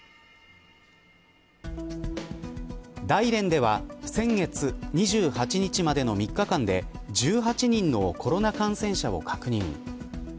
大連では先月２８日までの３日間で１８人のコロナ感染者を確認。